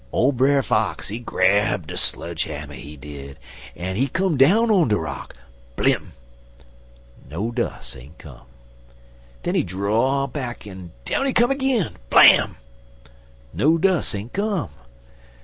Ole Brer Fox, he grab de sludge hammer, he did, en he come down on de rock blim! No dus' ain't come. Den he draw back en down he come ag'in blam! No dus' ain't come.